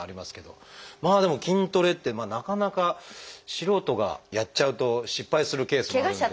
まあでも筋トレってなかなか素人がやっちゃうと失敗するケースもあるんで。